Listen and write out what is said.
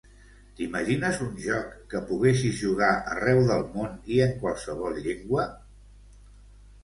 T'imagines un joc que poguessis jugar arreu del món i en qualsevol llengua?